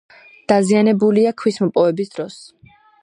დაზიანებულია ქვის მოპოვების დროს.